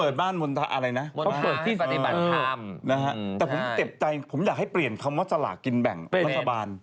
ได้ตลอดเลยเข้าทำบุญ